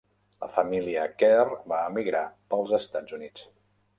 La família Kerr va emigrar pels Estats Units.